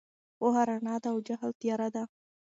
پوهه رڼا ده او جهل تیاره ده.